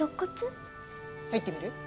入ってみる？